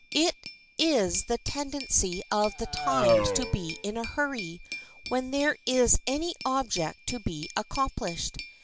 It is the tendency of the times to be in a hurry when there is any object to be accomplished.